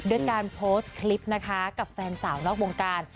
ด้วยการโพสต์คลิปนะคะกับแฟนสาวนอกวงการ